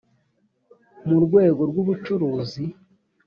mu rwego rw ubucuruzi